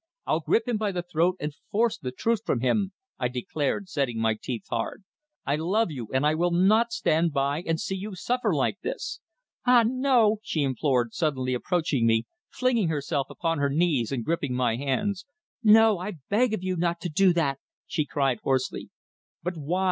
I'll grip him by the throat and force the truth from him," I declared, setting my teeth hard. "I love you, and I will not stand by and see you suffer like this!" "Ah, no!" she implored, suddenly approaching me, flinging herself upon her knees and gripping my hands. "No, I beg of you not to do that!" she cried hoarsely. "But why?"